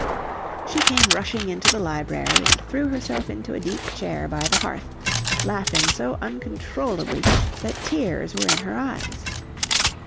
She came rushing into the library and threw herself into a deep chair by the hearth, laughing so uncontrollably that tears were in her eyes.